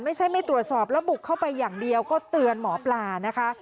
ไม่ใช่ไม่ตรวจสอบแล้วบุกเข้าไปอย่างเดียวก็เตือนหมอปลานะคะ